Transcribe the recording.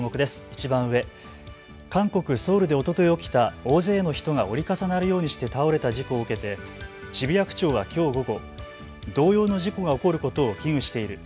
いちばん上、韓国・ソウルでおととい起きた大勢の人が折り重なるようにして倒れた事故を受けて渋谷区長はきょう午後、同様の事故が起きることを危惧している。